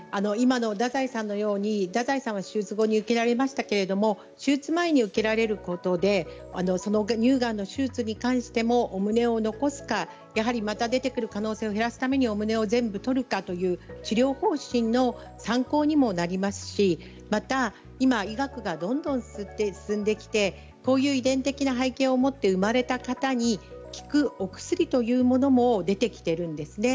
太宰さんのように、太宰さんは手術後に受けられましたが手術前に受けられることで乳がんの手術に関してもお胸を残すかやはりまた出てくる可能性を減らすためにお胸を全部取るかという治療方針の参考にもなりますしまた今、医学がどんどん進んできてこういう遺伝的な背景を持って生まれた方に効くお薬というのも出てきているんですね。